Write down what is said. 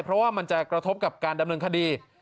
เพราะว่ามันจะกระทบกับการดำเนินคดี